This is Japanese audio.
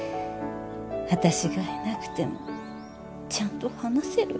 私がいなくてもちゃんと話せる？